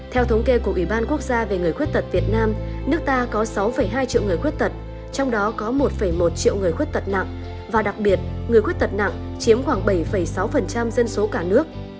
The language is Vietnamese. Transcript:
theo thống kê của ủy ban quốc gia về người khuyết tật việt nam nước ta có sáu hai triệu người khuyết tật trong đó có một một triệu người khuyết tật nặng và đặc biệt người khuyết tật nặng chiếm khoảng bảy sáu dân số cả nước